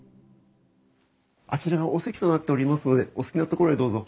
あちらがお席となっておりますのでお好きな所へどうぞ。